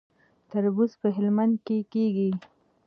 تربوز په هلمند کې کیږي